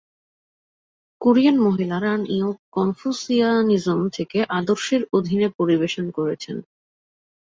Korean মহিলারা নিও-কনফুসিয়ানিজম থেকে আদর্শের অধীনে পরিবেশন করেছেন।